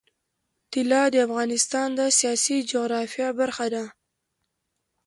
طلا د افغانستان د سیاسي جغرافیه برخه ده.